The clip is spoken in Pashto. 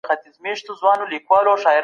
زه له تېرې میاشتې راهیسې پر دي دنده یم.